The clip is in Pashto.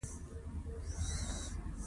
افغانۍ زموږ هویت دی.